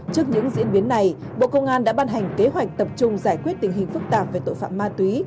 trước những diễn biến này bộ công an đã ban hành kế hoạch tập trung giải quyết tình hình phức tạp về tội phạm ma túy